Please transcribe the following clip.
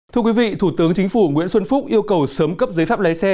thưa quý vị thủ tướng chính phủ nguyễn xuân phúc yêu cầu sớm cấp giấy phép lái xe